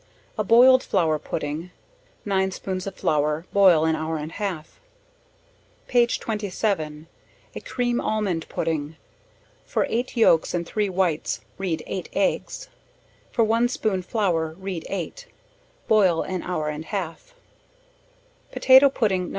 A boiled flour pudding; 9 spoons of flour, boil an hour and half. Page 27. A cream almond pudding; for 8 yolks and 3 whites, read 8 eggs; for 1 spoon flour, read 8 boil an hour and half. Potato pudding, No.